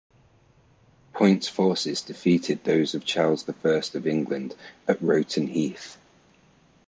Poyntz's forces defeated those of Charles the First of England at Rowton Heath.